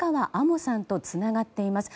もさんとつながっています。